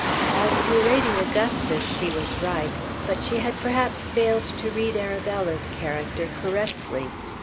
As to Lady Augustus she was right; but she had perhaps failed to read Arabella's character correctly.